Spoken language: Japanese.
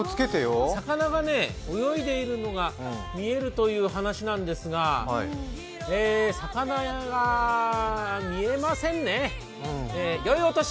魚が泳いでいるのが見えるという話なんですが魚が見えませんね。